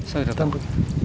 saya tidak tahu